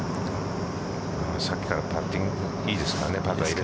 さっきからパッティング、いいですからね。